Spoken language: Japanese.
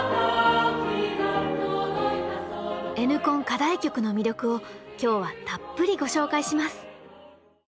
課題曲の魅力を今日はたっぷりご紹介します！